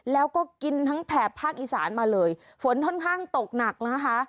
แล้วก็กินทั้งแถบภาคอีสานมาเลยฝนค่อนข้างตกหนักนะคะ